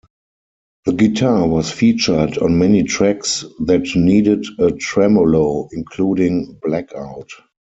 The guitar was featured on many tracks that needed a tremolo, including "Blackout".